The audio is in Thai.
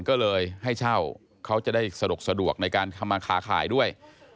ก็เลยให้เช่าเขาจะได้สะดวกในการทำมาค้าขายด้วย